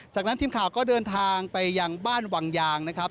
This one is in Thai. จากนั้นทีมข่าวก็เดินทางไปยังบ้านวังยางนะครับ